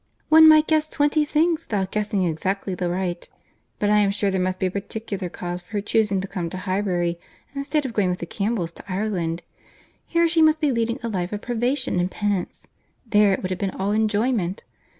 One might guess twenty things without guessing exactly the right; but I am sure there must be a particular cause for her chusing to come to Highbury instead of going with the Campbells to Ireland. Here, she must be leading a life of privation and penance; there it would have been all enjoyment.